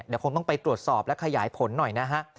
เดี๋ยวคงต้องไปตรวจสอบและขยายผลหน่อยนะฮะ